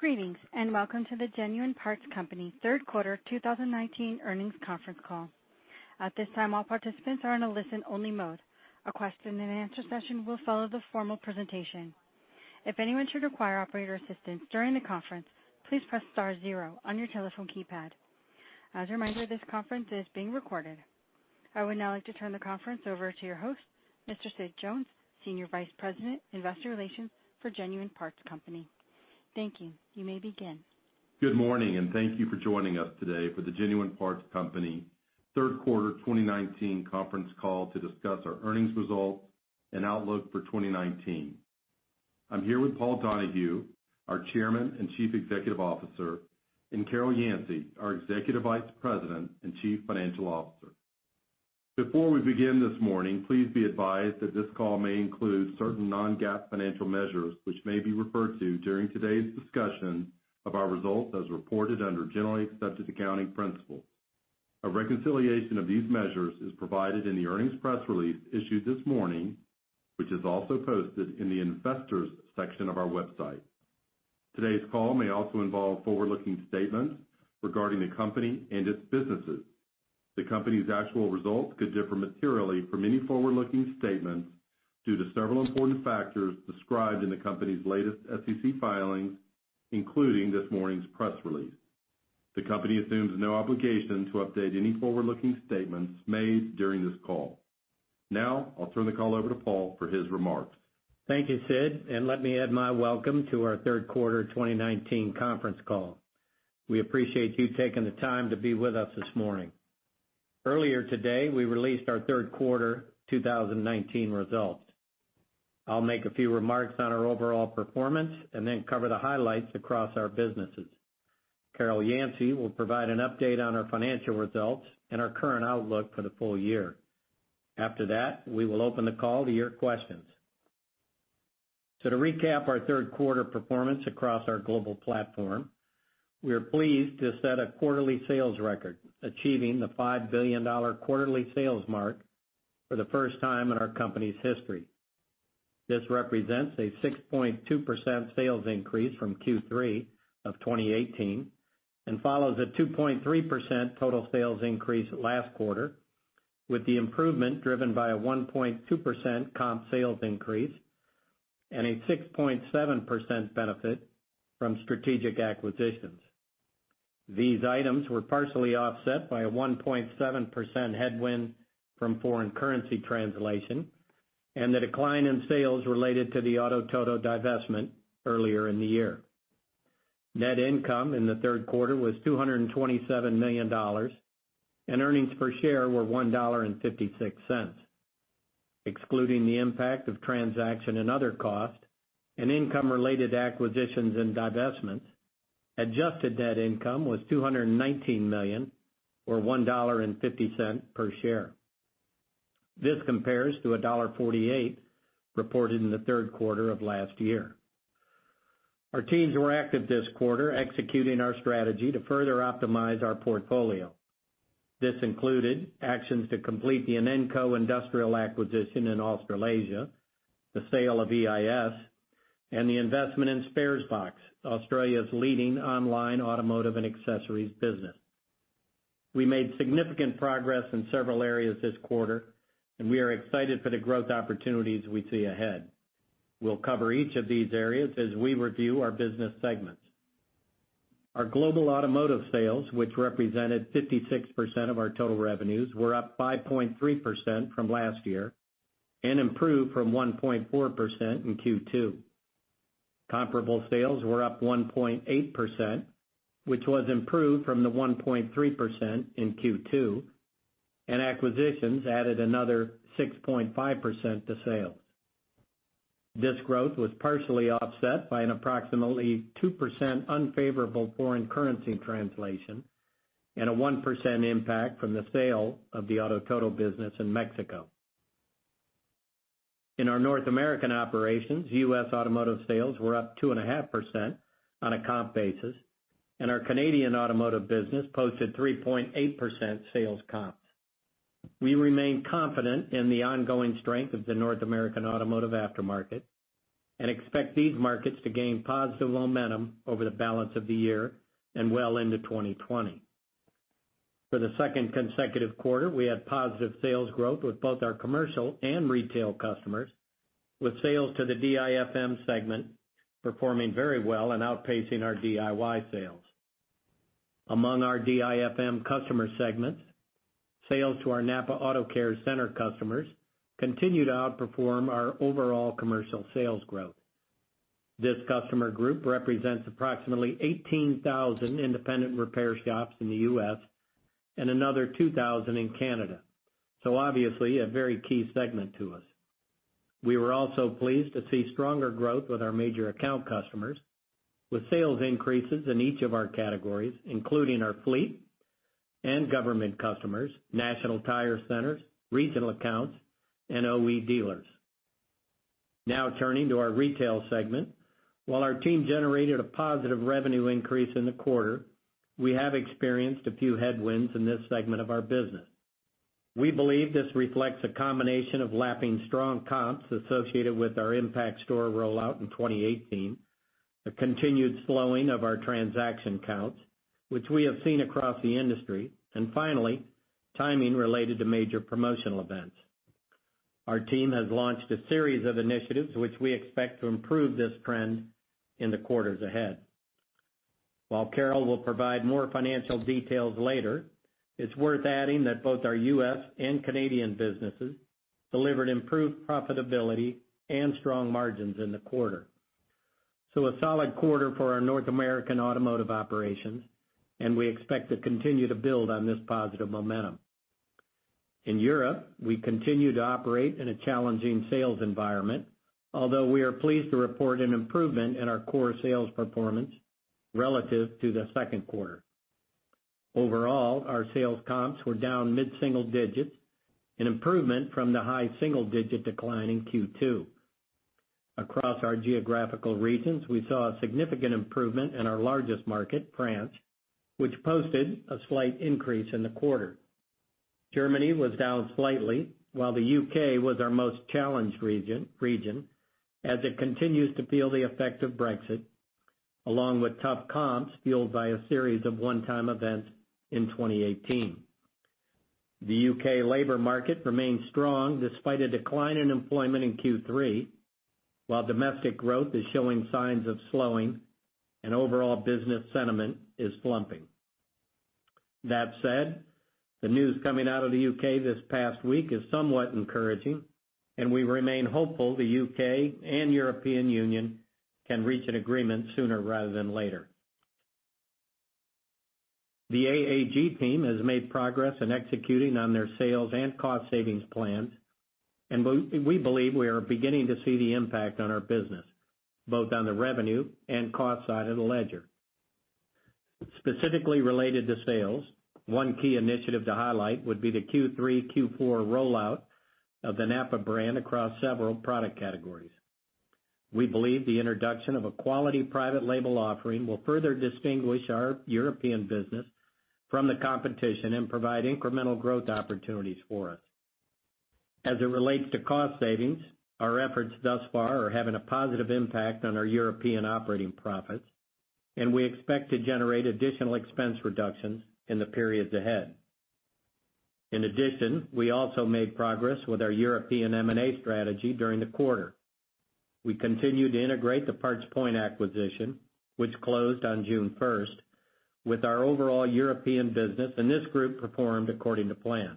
Greetings, welcome to the Genuine Parts Company third quarter 2019 earnings conference call. At this time, all participants are in a listen-only mode. A question and answer session will follow the formal presentation. If anyone should require operator assistance during the conference, please press star zero on your telephone keypad. As a reminder, this conference is being recorded. I would now like to turn the conference over to your host, Mr. Sid Jones, Senior Vice President, Investor Relations for Genuine Parts Company. Thank you. You may begin. Good morning. Thank you for joining us today for the Genuine Parts Company third quarter 2019 conference call to discuss our earnings results and outlook for 2019. I am here with Paul Donahue, our Chairman and Chief Executive Officer, and Carol Yancey, our Executive Vice President and Chief Financial Officer. Before we begin this morning, please be advised that this call may include certain non-GAAP financial measures which may be referred to during today's discussion of our results as reported under generally accepted accounting principles. A reconciliation of these measures is provided in the earnings press release issued this morning, which is also posted in the investors section of our website. Today's call may also involve forward-looking statements regarding the company and its businesses. The company's actual results could differ materially from any forward-looking statements due to several important factors described in the company's latest SEC filings, including this morning's press release. The company assumes no obligation to update any forward-looking statements made during this call. Now, I'll turn the call over to Paul for his remarks. Thank you, Sid, and let me add my welcome to our third quarter 2019 conference call. We appreciate you taking the time to be with us this morning. Earlier today, we released our third quarter 2019 results. I'll make a few remarks on our overall performance and then cover the highlights across our businesses. Carol Yancey will provide an update on our financial results and our current outlook for the full year. After that, we will open the call to your questions. To recap our third quarter performance across our global platform, we are pleased to set a quarterly sales record, achieving the $5 billion quarterly sales mark for the first time in our company's history. This represents a 6.2% sales increase from Q3 of 2018 and follows a 2.3% total sales increase last quarter with the improvement driven by a 1.2% comp sales increase and a 6.7% benefit from strategic acquisitions. These items were partially offset by a 1.7% headwind from foreign currency translation and the decline in sales related to the Auto Todo divestment earlier in the year. Net income in the third quarter was $227 million, and earnings per share were $1.56. Excluding the impact of transaction and other costs and income-related acquisitions and divestments, adjusted net income was $219 million or $1.50 per share. This compares to $1.48 reported in the third quarter of last year. Our teams were active this quarter executing our strategy to further optimize our portfolio. This included actions to complete the Inenco acquisition in Australasia, the sale of EIS, and the investment in Sparesbox, Australia's leading online automotive and accessories business. We made significant progress in several areas this quarter, and we are excited for the growth opportunities we see ahead. We'll cover each of these areas as we review our business segments. Our global automotive sales, which represented 56% of our total revenues, were up 5.3% from last year and improved from 1.4% in Q2. Comparable sales were up 1.8%, which was improved from the 1.3% in Q2, and acquisitions added another 6.5% to sales. This growth was partially offset by an approximately 2% unfavorable foreign currency translation and a 1% impact from the sale of the Auto Todo business in Mexico. In our North American operations, U.S. automotive sales were up 2.5% on a comp basis, and our Canadian automotive business posted 3.8% sales comps. We remain confident in the ongoing strength of the North American automotive aftermarket and expect these markets to gain positive momentum over the balance of the year and well into 2020. For the second consecutive quarter, we had positive sales growth with both our commercial and retail customers, with sales to the DIFM segment performing very well and outpacing our DIY sales. Among our DIFM customer segments, sales to our NAPA AutoCare center customers continue to outperform our overall commercial sales growth. This customer group represents approximately 18,000 independent repair shops in the U.S. and another 2,000 in Canada. Obviously, a very key segment to us. We were also pleased to see stronger growth with our major account customers with sales increases in each of our categories, including our fleet and government customers, national tire centers, regional accounts, and OE dealers. Turning to our retail segment. While our team generated a positive revenue increase in the quarter, we have experienced a few headwinds in this segment of our business. We believe this reflects a combination of lapping strong comps associated with our Impact Store rollout in 2018, the continued slowing of our transaction counts, which we have seen across the industry, and finally, timing related to major promotional events. Our team has launched a series of initiatives which we expect to improve this trend in the quarters ahead. While Carol will provide more financial details later, it's worth adding that both our U.S. and Canadian businesses delivered improved profitability and strong margins in the quarter. A solid quarter for our North American automotive operations, and we expect to continue to build on this positive momentum. In Europe, we continue to operate in a challenging sales environment, although we are pleased to report an improvement in our core sales performance relative to the second quarter. Overall, our sales comps were down mid-single digits, an improvement from the high single-digit decline in Q2. Across our geographical regions, we saw a significant improvement in our largest market, France, which posted a slight increase in the quarter. Germany was down slightly, while the U.K. was our most challenged region, as it continues to feel the effect of Brexit, along with tough comps fueled by a series of one-time events in 2018. The U.K. labor market remains strong despite a decline in employment in Q3, while domestic growth is showing signs of slowing and overall business sentiment is slumping. That said, the news coming out of the U.K. this past week is somewhat encouraging, and we remain hopeful the U.K. and European Union can reach an agreement sooner rather than later. The AAG team has made progress in executing on their sales and cost savings plans, and we believe we are beginning to see the impact on our business, both on the revenue and cost side of the ledger. Specifically related to sales, one key initiative to highlight would be the Q3, Q4 rollout of the NAPA brand across several product categories. We believe the introduction of a quality private label offering will further distinguish our European business from the competition and provide incremental growth opportunities for us. As it relates to cost savings, our efforts thus far are having a positive impact on our European operating profits, and we expect to generate additional expense reductions in the periods ahead. In addition, we also made progress with our European M&A strategy during the quarter. We continue to integrate the PartsPoint acquisition, which closed on June 1st, with our overall European business, and this group performed according to plan.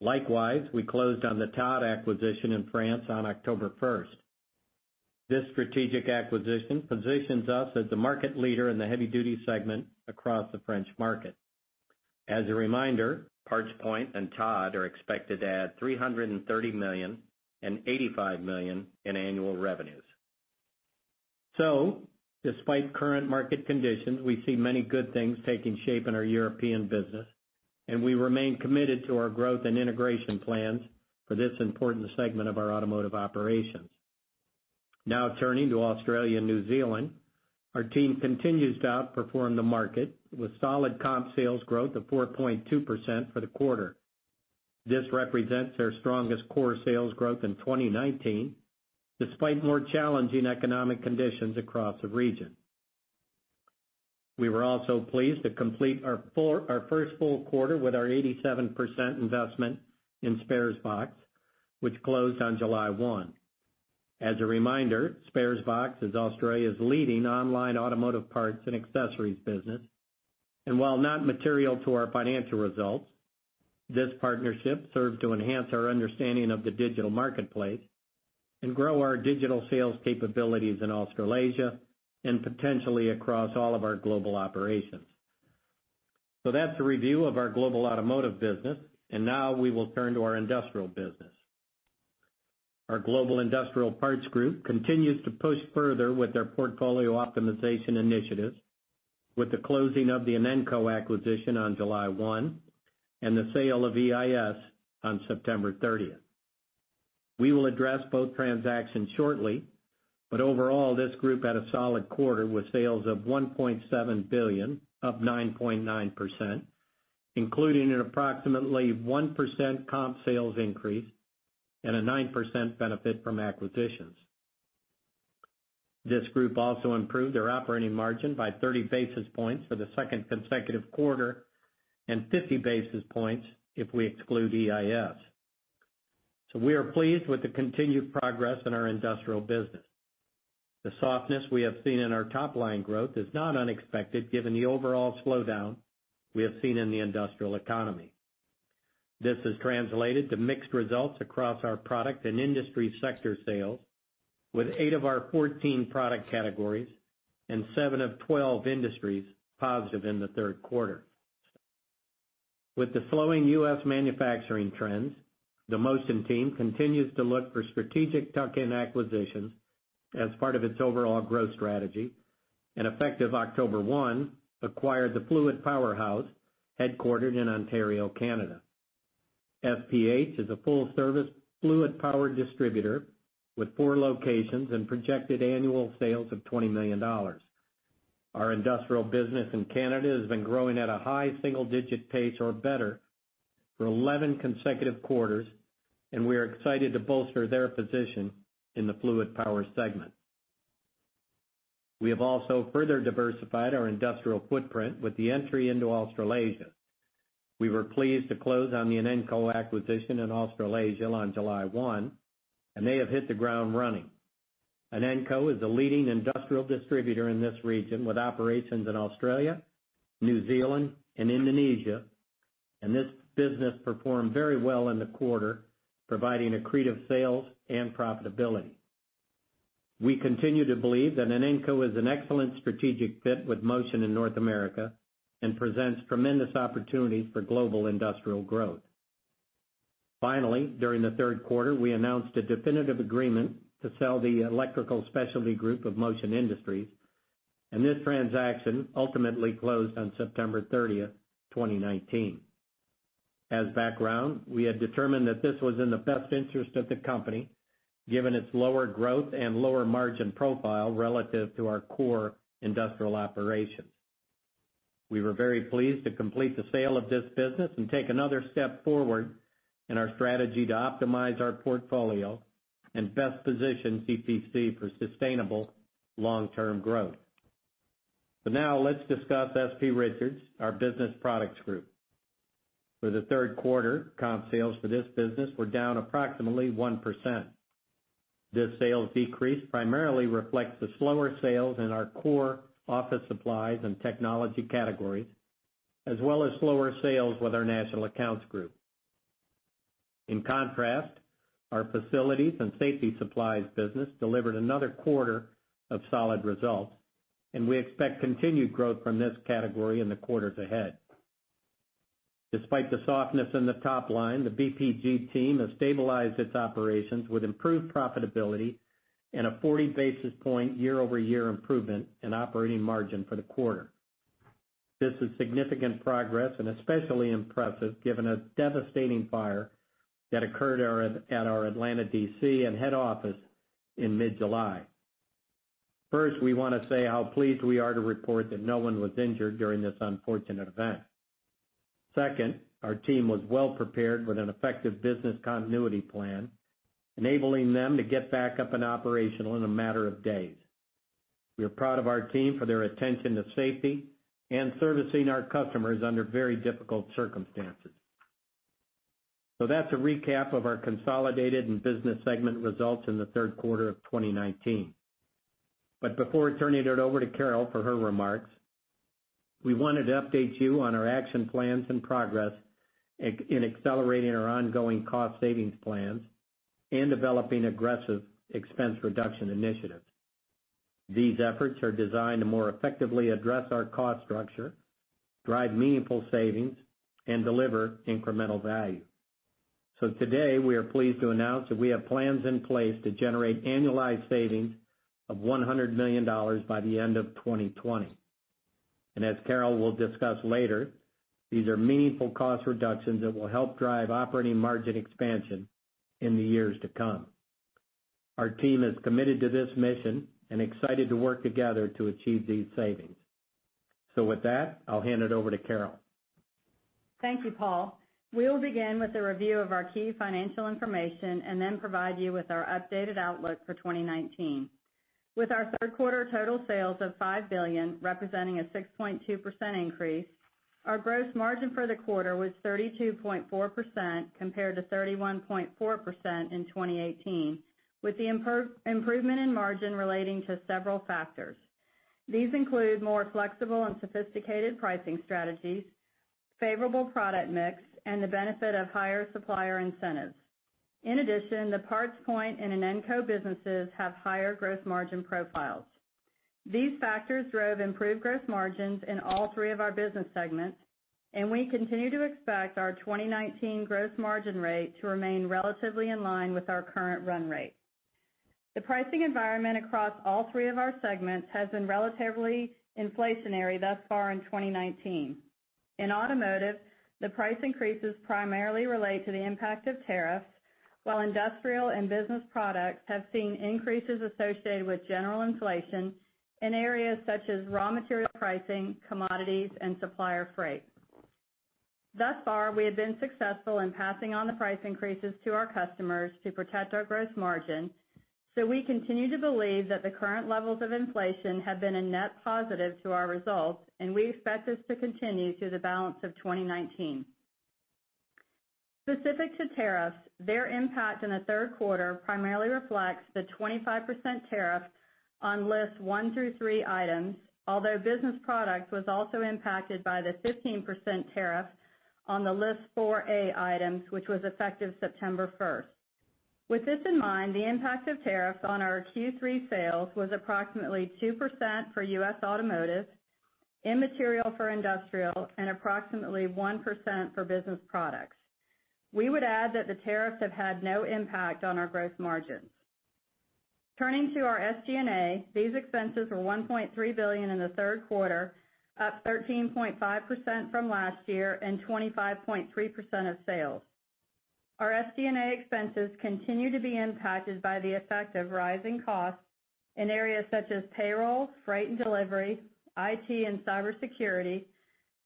Likewise, we closed on the Todd acquisition in France on October 1st. This strategic acquisition positions us as the market leader in the heavy-duty segment across the French market. As a reminder, PartsPoint and Todd are expected to add $330 million and $85 million in annual revenues. Despite current market conditions, we see many good things taking shape in our European business, and we remain committed to our growth and integration plans for this important segment of our automotive operations. Turning to Australia and New Zealand. Our team continues to outperform the market with solid comp sales growth of 4.2% for the quarter. This represents their strongest core sales growth in 2019, despite more challenging economic conditions across the region. We were also pleased to complete our first full quarter with our 87% investment in Sparesbox, which closed on July 1. As a reminder, Sparesbox is Australia's leading online automotive parts and accessories business. While not material to our financial results, this partnership serves to enhance our understanding of the digital marketplace and grow our digital sales capabilities in Australasia and potentially across all of our global operations. That's a review of our global automotive business, and now we will turn to our industrial business. Our global industrial parts group continues to push further with their portfolio optimization initiatives with the closing of the Inenco acquisition on July 1 and the sale of EIS on September 30th. We will address both transactions shortly. Overall, this group had a solid quarter with sales of $1.7 billion, up 9.9%, including an approximately 1% comp sales increase and a 9% benefit from acquisitions. This group also improved their operating margin by 30 basis points for the second consecutive quarter and 50 basis points if we exclude EIS. We are pleased with the continued progress in our industrial business. The softness we have seen in our top-line growth is not unexpected given the overall slowdown we have seen in the industrial economy. This has translated to mixed results across our product and industry sector sales, with 8 of our 14 product categories and 7 of 12 industries positive in the third quarter. With the slowing U.S. manufacturing trends, Motion continues to look for strategic tuck-in acquisitions as part of its overall growth strategy, and effective October 1, acquired the Fluid Powerhouse, headquartered in Ontario, Canada. FPH is a full-service fluid power distributor with four locations and projected annual sales of $20 million. Our industrial business in Canada has been growing at a high single-digit pace or better for 11 consecutive quarters, and we are excited to bolster their position in the fluid power segment. We have also further diversified our industrial footprint with the entry into Australasia. We were pleased to close on the Inenco acquisition in Australasia on July 1, and they have hit the ground running. Inenco is a leading industrial distributor in this region with operations in Australia, New Zealand, and Indonesia. This business performed very well in the quarter, providing accretive sales and profitability. We continue to believe that Inenco is an excellent strategic fit with Motion in North America and presents tremendous opportunities for global industrial growth. Finally, during the third quarter, we announced a definitive agreement to sell the Electrical Specialties Group of Motion Industries. This transaction ultimately closed on September 30th, 2019. As background, we had determined that this was in the best interest of the company, given its lower growth and lower margin profile relative to our core industrial operations. We were very pleased to complete the sale of this business and take another step forward in our strategy to optimize our portfolio and best position GPC for sustainable long-term growth. Now let's discuss S.P. Richards, our Business Products Group. For the third quarter, comp sales for this business were down approximately 1%. This sales decrease primarily reflects the slower sales in our core office supplies and technology categories, as well as slower sales with our national accounts group. In contrast, our facilities and safety supplies business delivered another quarter of solid results, and we expect continued growth from this category in the quarters ahead. Despite the softness in the top line, the BPG team has stabilized its operations with improved profitability and a 40-basis point year-over-year improvement in operating margin for the quarter. This is significant progress and especially impressive given a devastating fire that occurred at our Atlanta DC and head office in mid-July. First, we want to say how pleased we are to report that no one was injured during this unfortunate event. Second, our team was well prepared with an effective business continuity plan, enabling them to get back up and operational in a matter of days. We are proud of our team for their attention to safety and servicing our customers under very difficult circumstances. That's a recap of our consolidated and business segment results in the third quarter of 2019. Before turning it over to Carol for her remarks, we wanted to update you on our action plans and progress in accelerating our ongoing cost savings plans and developing aggressive expense reduction initiatives. These efforts are designed to more effectively address our cost structure, drive meaningful savings, and deliver incremental value. Today, we are pleased to announce that we have plans in place to generate annualized savings of $100 million by the end of 2020. As Carol will discuss later, these are meaningful cost reductions that will help drive operating margin expansion in the years to come. Our team is committed to this mission and excited to work together to achieve these savings. With that, I'll hand it over to Carol. Thank you, Paul. We'll begin with a review of our key financial information and then provide you with our updated outlook for 2019. With our third quarter total sales of $5 billion, representing a 6.2% increase, our gross margin for the quarter was 32.4% compared to 31.4% in 2018, with the improvement in margin relating to several factors. These include more flexible and sophisticated pricing strategies, favorable product mix, and the benefit of higher supplier incentives. In addition, the PartsPoint and Inenco businesses have higher gross margin profiles. These factors drove improved gross margins in all three of our business segments, and we continue to expect our 2019 gross margin rate to remain relatively in line with our current run rate. The pricing environment across all three of our segments has been relatively inflationary thus far in 2019. In Automotive, the price increases primarily relate to the impact of tariffs, while Industrial and Business Products have seen increases associated with general inflation in areas such as raw material pricing, commodities, and supplier freight. Thus far, we have been successful in passing on the price increases to our customers to protect our gross margin. We continue to believe that the current levels of inflation have been a net positive to our results, and we expect this to continue through the balance of 2019. Specific to tariffs, their impact in the third quarter primarily reflects the 25% tariff on List 1 through 3 items, although Business Products was also impacted by the 15% tariff on the List 4A items, which was effective September 1st. With this in mind, the impact of tariffs on our Q3 sales was approximately 2% for U.S. Automotive, immaterial for Industrial, and approximately 1% for Business Products. We would add that the tariffs have had no impact on our gross margins. Turning to our SG&A, these expenses were $1.3 billion in the third quarter, up 13.5% from last year and 25.3% of sales. Our SG&A expenses continue to be impacted by the effect of rising costs in areas such as payroll, freight and delivery, IT and cybersecurity,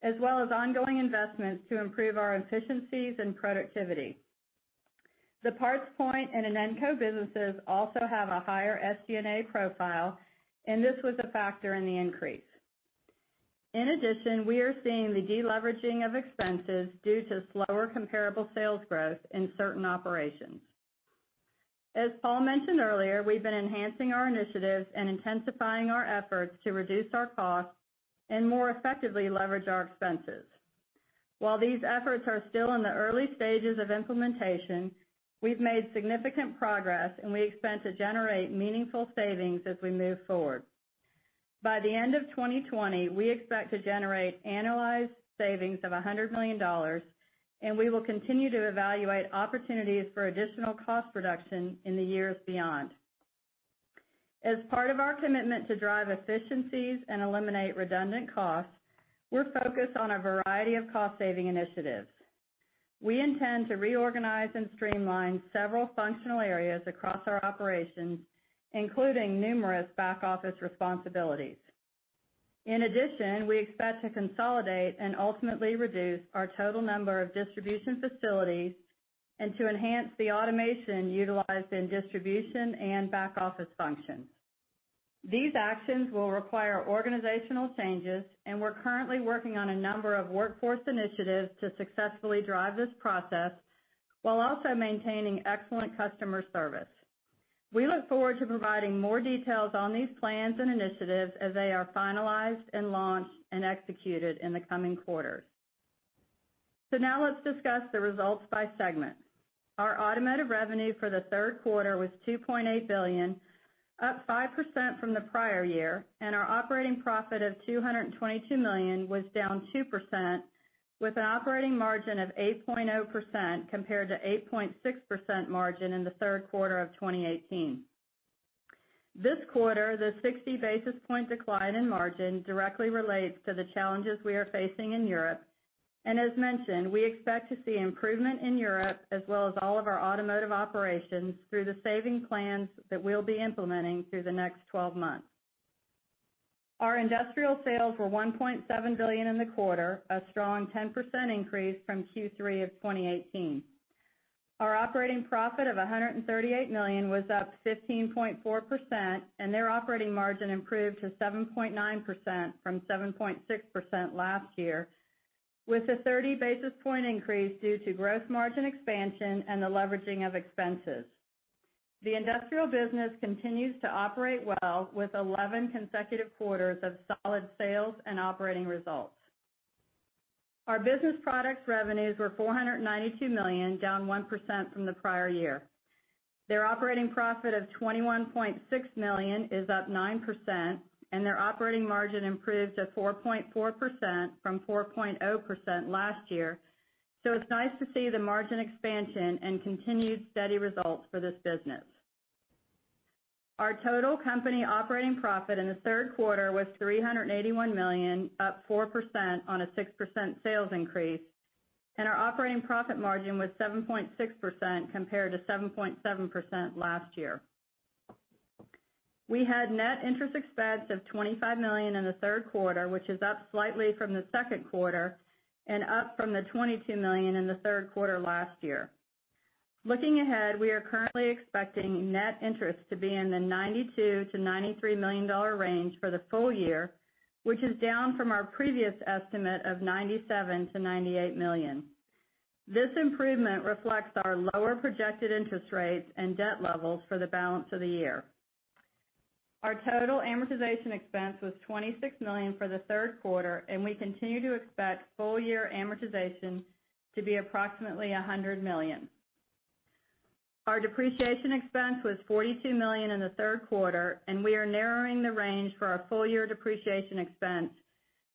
as well as ongoing investments to improve our efficiencies and productivity. The PartsPoint and Inenco businesses also have a higher SG&A profile, and this was a factor in the increase. We are seeing the de-leveraging of expenses due to slower comparable sales growth in certain operations. As Paul mentioned earlier, we've been enhancing our initiatives and intensifying our efforts to reduce our costs and more effectively leverage our expenses. While these efforts are still in the early stages of implementation, we've made significant progress, and we expect to generate meaningful savings as we move forward. By the end of 2020, we expect to generate annualized savings of $100 million, and we will continue to evaluate opportunities for additional cost reduction in the years beyond. As part of our commitment to drive efficiencies and eliminate redundant costs, we're focused on a variety of cost-saving initiatives. We intend to reorganize and streamline several functional areas across our operations, including numerous back-office responsibilities. In addition, we expect to consolidate and ultimately reduce our total number of distribution facilities and to enhance the automation utilized in distribution and back-office functions. These actions will require organizational changes, and we're currently working on a number of workforce initiatives to successfully drive this process while also maintaining excellent customer service. We look forward to providing more details on these plans and initiatives as they are finalized and launched and executed in the coming quarters. Now let's discuss the results by segment. Our automotive revenue for the third quarter was $2.8 billion, up 5% from the prior year, and our operating profit of $222 million was down 2%, with an operating margin of 8.0% compared to 8.6% margin in the third quarter of 2018. This quarter, the 60-basis-point decline in margin directly relates to the challenges we are facing in Europe. As mentioned, we expect to see improvement in Europe as well as all of our automotive operations through the saving plans that we'll be implementing through the next 12 months. Our Industrial sales were $1.7 billion in the quarter, a strong 10% increase from Q3 of 2018. Our operating profit of $138 million was up 15.4%, and their operating margin improved to 7.9% from 7.6% last year, with a 30-basis-point increase due to gross margin expansion and the leveraging of expenses. The Industrial business continues to operate well with 11 consecutive quarters of solid sales and operating results. Our Business Products revenues were $492 million, down 1% from the prior year. Their operating profit of $21.6 million is up 9%, and their operating margin improved to 4.4% from 4.0% last year. It's nice to see the margin expansion and continued steady results for this business. Our total company operating profit in the third quarter was $381 million, up 4% on a 6% sales increase, and our operating profit margin was 7.6% compared to 7.7% last year. We had net interest expense of $25 million in the third quarter, which is up slightly from the second quarter and up from the $22 million in the third quarter last year. Looking ahead, we are currently expecting net interest to be in the $92 million-$93 million range for the full year, which is down from our previous estimate of $97 million-$98 million. This improvement reflects our lower projected interest rates and debt levels for the balance of the year. Our total amortization expense was $26 million for the third quarter, and we continue to expect full year amortization to be approximately $100 million. Our depreciation expense was $42 million in the third quarter, and we are narrowing the range for our full year depreciation expense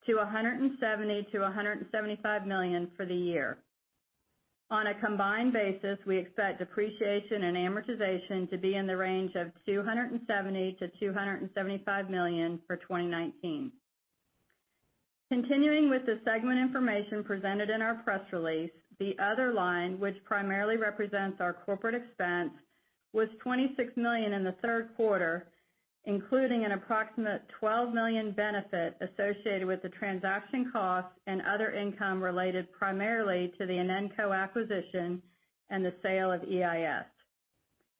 to $170 million-$175 million for the year. On a combined basis, we expect depreciation and amortization to be in the range of $270 million-$275 million for 2019. Continuing with the segment information presented in our press release, the other line, which primarily represents our corporate expense, was $26 million in the third quarter, including an approximate $12 million benefit associated with the transaction costs and other income related primarily to the Inenco acquisition and the sale of EIS.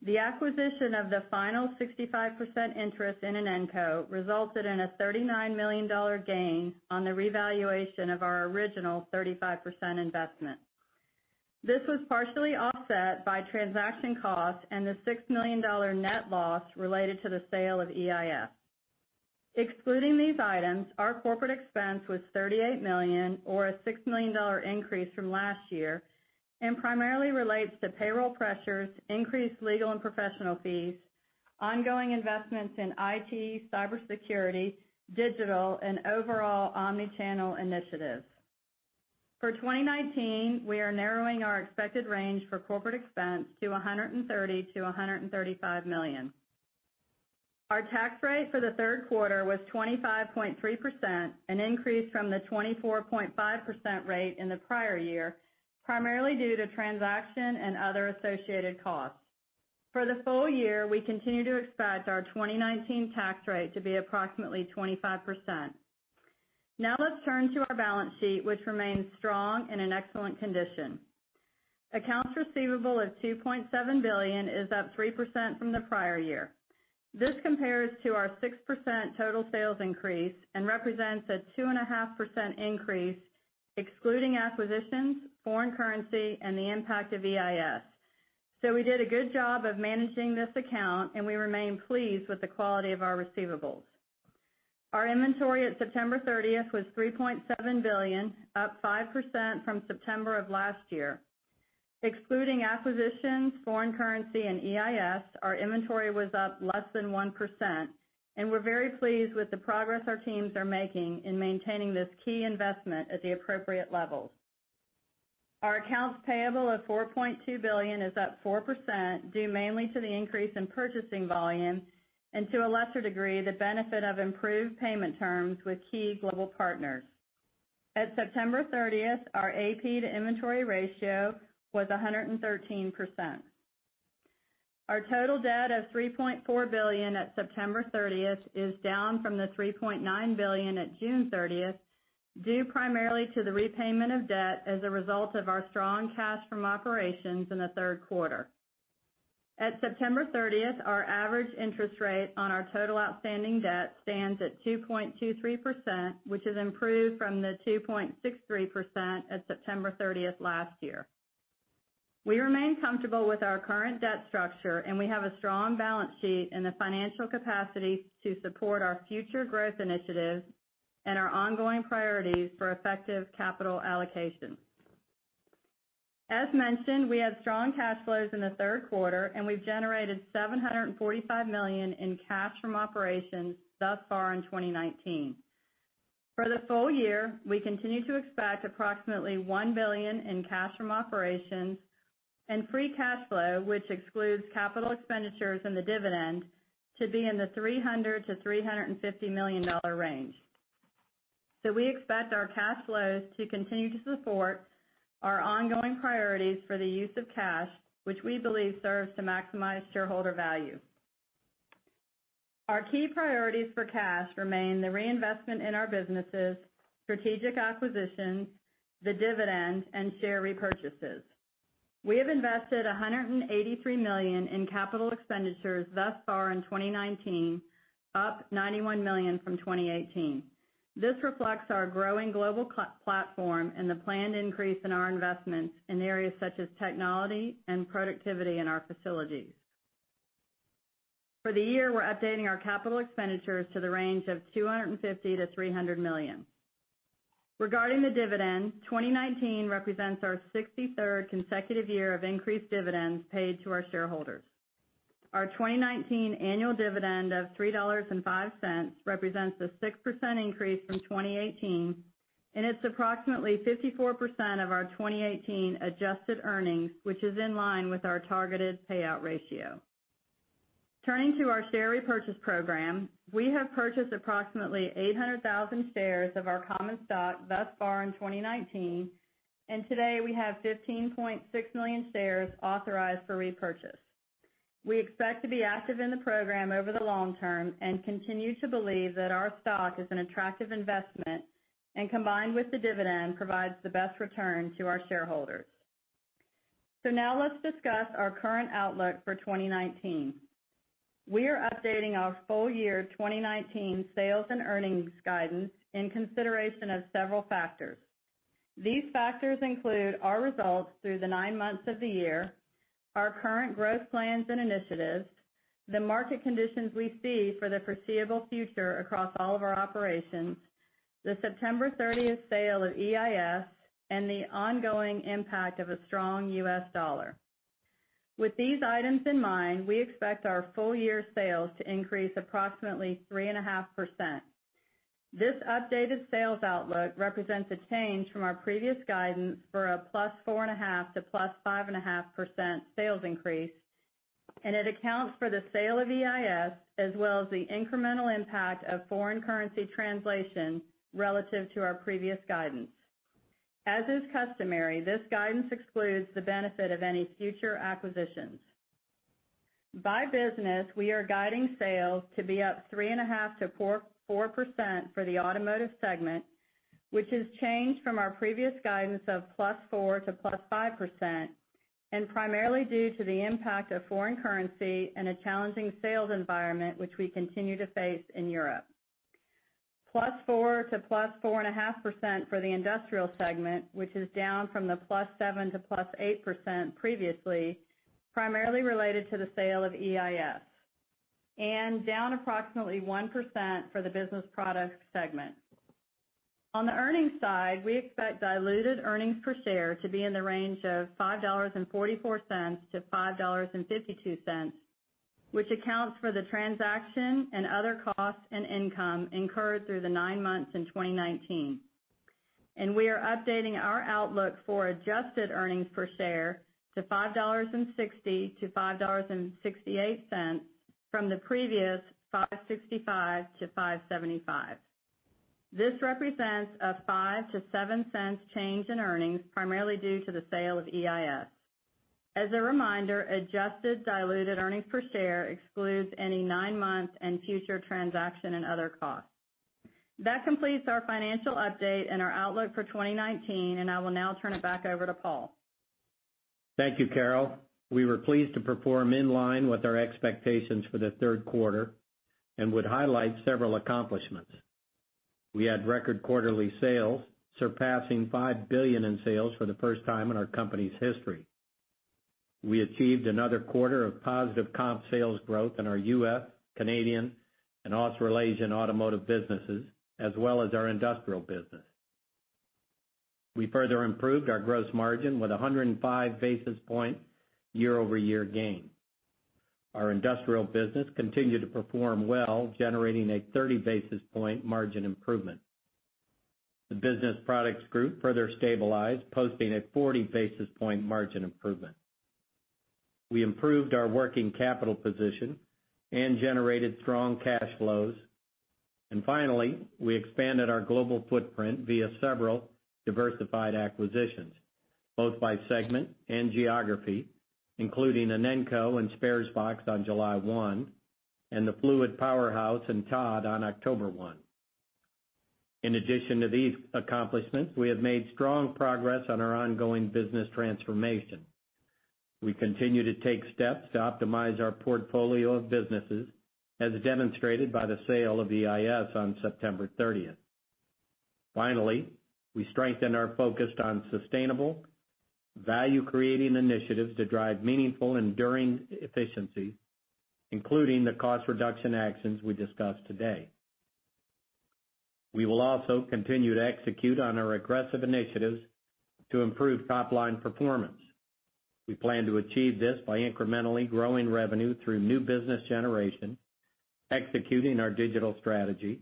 The acquisition of the final 65% interest in Inenco resulted in a $39 million gain on the revaluation of our original 35% investment. This was partially offset by transaction costs and the $6 million net loss related to the sale of EIS. Excluding these items, our corporate expense was $38 million, or a $6 million increase from last year, primarily relates to payroll pressures, increased legal and professional fees, ongoing investments in IT, cybersecurity, digital, and overall omni-channel initiatives. For 2019, we are narrowing our expected range for corporate expense to $130 million-$135 million. Our tax rate for the third quarter was 25.3%, an increase from the 24.5% rate in the prior year, primarily due to transaction and other associated costs. For the full year, we continue to expect our 2019 tax rate to be approximately 25%. Let's turn to our balance sheet, which remains strong and in excellent condition. Accounts receivable of $2.7 billion is up 3% from the prior year. This compares to our 6% total sales increase and represents a 2.5% increase, excluding acquisitions, foreign currency, and the impact of EIS. We did a good job of managing this account, and we remain pleased with the quality of our receivables. Our inventory at September 30th was $3.7 billion, up 5% from September of last year. Excluding acquisitions, foreign currency, and EIS, our inventory was up less than 1%, and we're very pleased with the progress our teams are making in maintaining this key investment at the appropriate levels. Our accounts payable of $4.2 billion is up 4%, due mainly to the increase in purchasing volume and, to a lesser degree, the benefit of improved payment terms with key global partners. At September 30th, our AP to inventory ratio was 113%. Our total debt of $3.4 billion at September 30th is down from the $3.9 billion at June 30th, due primarily to the repayment of debt as a result of our strong cash from operations in the third quarter. At September 30th, our average interest rate on our total outstanding debt stands at 2.23%, which has improved from the 2.63% at September 30th last year. We remain comfortable with our current debt structure, and we have a strong balance sheet and the financial capacity to support our future growth initiatives and our ongoing priorities for effective capital allocation. As mentioned, we had strong cash flows in the third quarter, and we've generated $745 million in cash from operations thus far in 2019. For the full year, we continue to expect approximately $1 billion in cash from operations and free cash flow, which excludes capital expenditures and the dividend, to be in the $300 million-$350 million range. We expect our cash flows to continue to support our ongoing priorities for the use of cash, which we believe serves to maximize shareholder value. Our key priorities for cash remain the reinvestment in our businesses, strategic acquisitions, the dividend, and share repurchases. We have invested $183 million in capital expenditures thus far in 2019, up $91 million from 2018. This reflects our growing global platform and the planned increase in our investments in areas such as technology and productivity in our facilities. For the year, we're updating our capital expenditures to the range of $250 million-$300 million. Regarding the dividend, 2019 represents our 63rd consecutive year of increased dividends paid to our shareholders. Our 2019 annual dividend of $3.05 represents a 6% increase from 2018, it's approximately 54% of our 2018 adjusted earnings, which is in line with our targeted payout ratio. Turning to our share repurchase program, we have purchased approximately 800,000 shares of our common stock thus far in 2019, and to date, we have 15.6 million shares authorized for repurchase. We expect to be active in the program over the long term and continue to believe that our stock is an attractive investment and, combined with the dividend, provides the best return to our shareholders. Now let's discuss our current outlook for 2019. We are updating our full year 2019 sales and earnings guidance in consideration of several factors. These factors include our results through the nine months of the year, our current growth plans and initiatives, the market conditions we see for the foreseeable future across all of our operations, the September 30th sale of EIS, and the ongoing impact of a strong US dollar. With these items in mind, we expect our full year sales to increase approximately 3.5%. This updated sales outlook represents a change from our previous guidance for a +4.5% to +5.5% sales increase. It accounts for the sale of EIS as well as the incremental impact of foreign currency translation relative to our previous guidance. As is customary, this guidance excludes the benefit of any future acquisitions. By business, we are guiding sales to be up 3.5%-4% for the automotive segment, which has changed from our previous guidance of +4% to +5%. Primarily due to the impact of foreign currency and a challenging sales environment which we continue to face in Europe. +4% to +4.5% for the industrial segment, which is down from the +7% to +8% previously, primarily related to the sale of EIS. Down approximately 1% for the business products segment. On the earnings side, we expect diluted earnings per share to be in the range of $5.44 to $5.52, which accounts for the transaction and other costs and income incurred through the nine months in 2019. We are updating our outlook for adjusted earnings per share to $5.60 to $5.68 from the previous $5.65 to $5.75. This represents a $0.05-$0.07 change in earnings, primarily due to the sale of EIS. As a reminder, adjusted diluted earnings per share excludes any nine-month and future transaction and other costs. That completes our financial update and our outlook for 2019, and I will now turn it back over to Paul. Thank you, Carol. We were pleased to perform in line with our expectations for the third quarter and would highlight several accomplishments. We had record quarterly sales surpassing $5 billion in sales for the first time in our company's history. We achieved another quarter of positive comp sales growth in our U.S., Canadian, and Australasian automotive businesses, as well as our industrial business. We further improved our gross margin with 105 basis point year-over-year gain. Our industrial business continued to perform well, generating a 30 basis point margin improvement. The Business Products Group further stabilized, posting a 40 basis point margin improvement. We improved our working capital position and generated strong cash flows. Finally, we expanded our global footprint via several diversified acquisitions, both by segment and geography, including Inenco and Sparesbox on July 1 and Fluid Powerhouse and Todd on October 1. In addition to these accomplishments, we have made strong progress on our ongoing business transformation. We continue to take steps to optimize our portfolio of businesses, as demonstrated by the sale of EIS on September 30th. Finally, we strengthen our focus on sustainable, value-creating initiatives to drive meaningful, enduring efficiency, including the cost reduction actions we discussed today. We will also continue to execute on our aggressive initiatives to improve top-line performance. We plan to achieve this by incrementally growing revenue through new business generation, executing our digital strategy,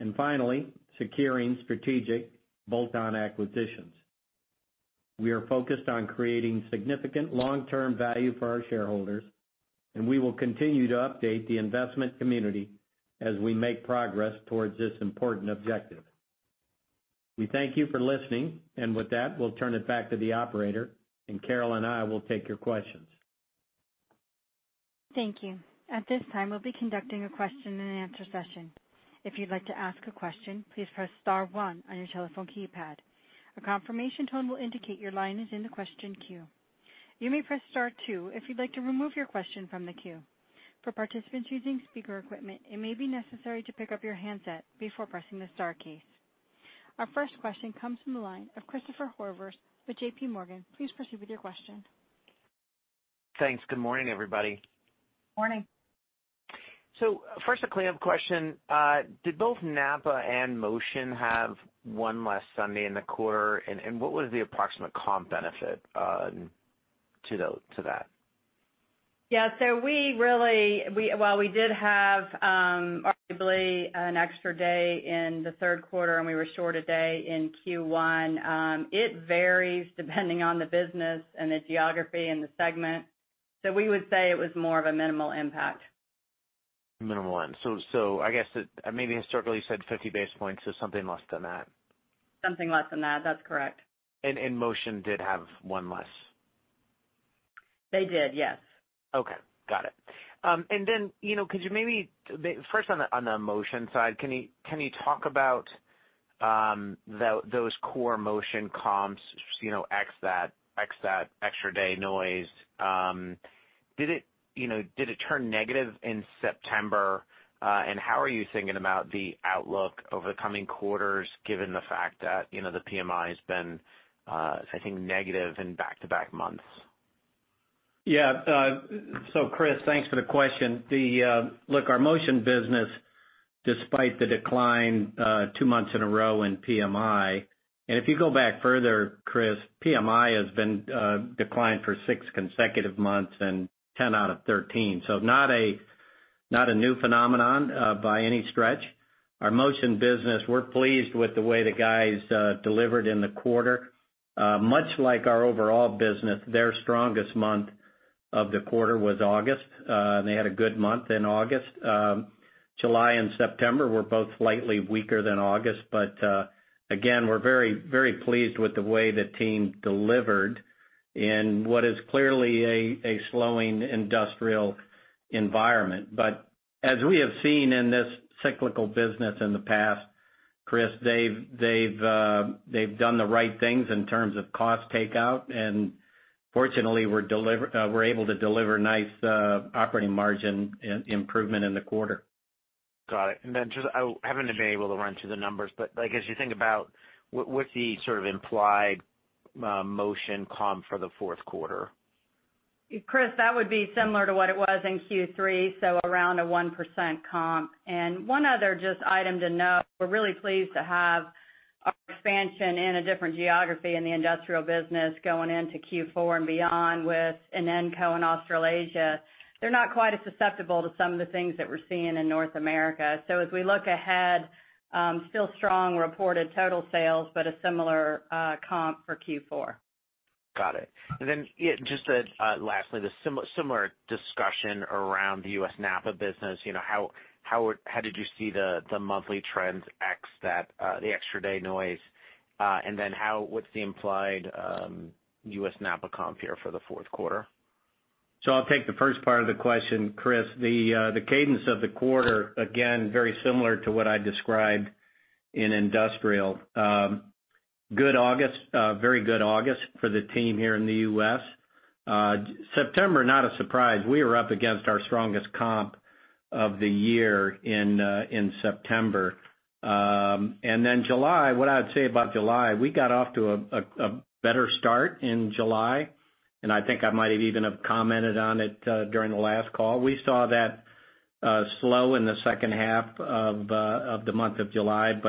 and finally, securing strategic bolt-on acquisitions. We are focused on creating significant long-term value for our shareholders, and we will continue to update the investment community as we make progress towards this important objective. We thank you for listening, and with that, we'll turn it back to the operator, and Carol and I will take your questions. Thank you. At this time, we'll be conducting a question and answer session. If you'd like to ask a question, please press star one on your telephone keypad. A confirmation tone will indicate your line is in the question queue. You may press star two if you'd like to remove your question from the queue. For participants using speaker equipment, it may be necessary to pick up your handset before pressing the star key. Our first question comes from the line of Christopher Horvers with J.P. Morgan. Please proceed with your question. Thanks. Good morning, everybody. Morning. First, a cleanup question. Did both NAPA and Motion have one less Sunday in the quarter? What was the approximate comp benefit to that? Yeah, while we did have arguably an extra day in the third quarter and we were short a day in Q1, it varies depending on the business and the geography and the segment. We would say it was more of a minimal impact. Minimal one. I guess that, maybe historically, you said 50 basis points is something less than that. Something less than that. That's correct. Motion did have one less? They did, yes. Okay. Got it. First on the Motion side, can you talk about those core Motion comps ex that extra day noise? Did it turn negative in September? How are you thinking about the outlook over the coming quarters, given the fact that the PMI has been, I think, negative in back-to-back months? Chris, thanks for the question. Look, our Motion business, despite the decline two months in a row in PMI, if you go back further, Chris, PMI has been declined for six consecutive months and 10 out of 13. Not a new phenomenon by any stretch. Our Motion business, we're pleased with the way the guys delivered in the quarter. Much like our overall business, their strongest month of the quarter was August. They had a good month in August. July and September were both slightly weaker than August, again, we're very pleased with the way the team delivered in what is clearly a slowing industrial environment. As we have seen in this cyclical business in the past, Chris, they've done the right things in terms of cost takeout, and fortunately, we're able to deliver nice operating margin improvement in the quarter. Got it. Then, I haven't been able to run through the numbers, but as you think about what's the sort of implied Motion comp for the fourth quarter? Chris, that would be similar to what it was in Q3, so around a 1% comp. One other just item to note, we're really pleased to have our expansion in a different geography in the industrial business going into Q4 and beyond with Inenco and Australasia. They're not quite as susceptible to some of the things that we're seeing in North America. As we look ahead, still strong reported total sales, but a similar comp for Q4. Got it. Just lastly, the similar discussion around the U.S. NAPA business. How did you see the monthly trends X the extra day noise? What's the implied U.S. NAPA comp here for the fourth quarter? I'll take the first part of the question, Chris. The cadence of the quarter, again, very similar to what I described in industrial. Very good August for the team here in the U.S. September, not a surprise. We were up against our strongest comp of the year in September. Then July, what I would say about July, we got off to a better start in July, and I think I might have even have commented on it during the last call. We saw that slow in the second half of the month of July.